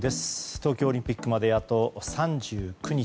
東京オリンピックまであと３９日。